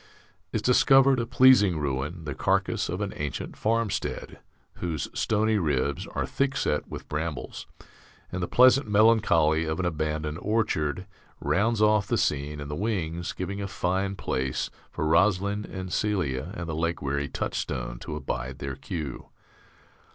_) is discovered a pleasing ruin, the carcass of an ancient farmstead, whose stony ribs are thickset with brambles; and the pleasant melancholy of an abandoned orchard rounds off the scene in the wings, giving a fine place for Rosalind and Celia and the leg weary Touchstone to abide their cue.